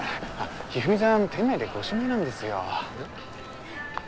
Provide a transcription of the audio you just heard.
ひふみちゃん店内でご指名なんですよ。